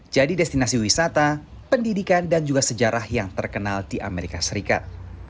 jadi destinasi wisata pendidikan dan juga sejarah yang terkenal di amerika serikat